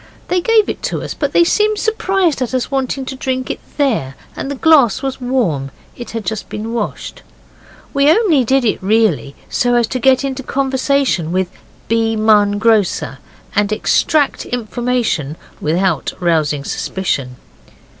They gave it us, but they seemed surprised at us wanting to drink it there, and the glass was warm it had just been washed. We only did it, really, so as to get into conversation with B. Munn, grocer, and extract information without rousing suspicion.